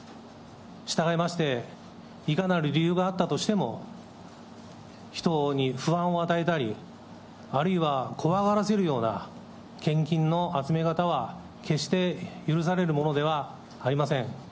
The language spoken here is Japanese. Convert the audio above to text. したがいまして、いかなる理由があったとしても、人に不安を与えたり、あるいは怖がらせるような献金の集め方は、決して許されるものではありません。